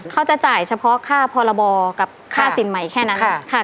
เขาจะจ่ายเฉพาะค่าพรบกับค่าสินใหม่แค่นั้น